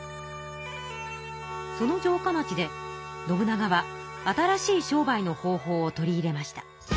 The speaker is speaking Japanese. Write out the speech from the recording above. その城下町で信長は新しい商売の方法を取り入れました。